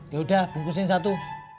yaudah bungkusin satu